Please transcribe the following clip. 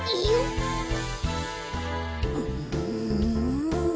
うん。